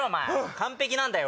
完璧なんだよ